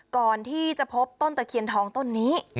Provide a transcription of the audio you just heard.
ก่อนที่จะพบต้นตะเคียนทองต้นนี้